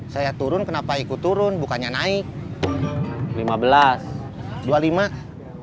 saya turun kenapa ikut turun bukannya naik